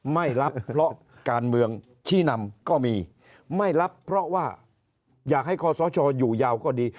ไม่รับเพราะการเมืองชี้นำก็มีไม่รับเพราะว่าอยากให้คอสชอยู่ยาวก็ดี